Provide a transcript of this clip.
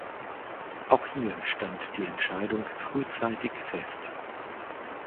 Auch hier stand die Entscheidung frühzeitig fest.